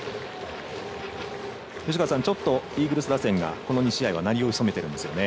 ちょっとイーグルス打線がこの２試合はなりを潜めていますよね。